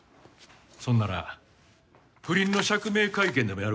そんなら不倫の釈明会見でもやるか？